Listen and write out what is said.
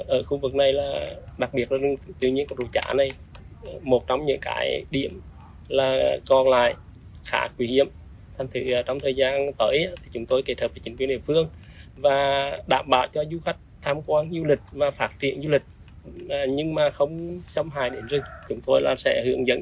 ở khu vực này đặc biệt là rú trá này một trong những cái điểm còn lại khá khủy hiếm